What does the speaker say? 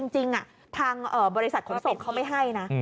จริงทางบริษัทขนส่งเขาไม่ให้นะ